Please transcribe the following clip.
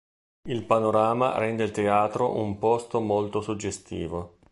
Il panorama rende il teatro un posto molto suggestivo.